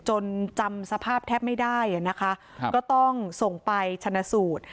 จนจำสภาพแทบไม่ได้นะคะก็ต้องส่งไปชนะสูตร